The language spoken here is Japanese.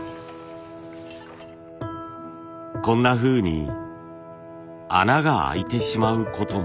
こんなふうに穴があいてしまうことも。